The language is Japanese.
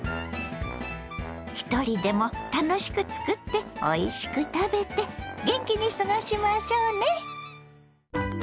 ひとりでも楽しく作っておいしく食べて元気に過ごしましょうね。